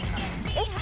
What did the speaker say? えっ？